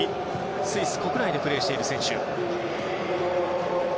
スイス国内でプレーしている選手。